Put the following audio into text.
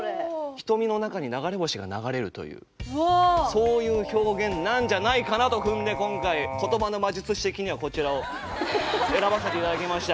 瞳の中に流れ星が流れるというそういう表現なんじゃないかなと踏んで今回言葉の魔術師的にはこちらを選ばせて頂きました。